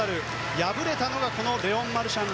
敗れたのが６レーンのレオン・マルシャン。